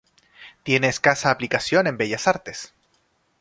Tiene escasa aplicación en bellas artes.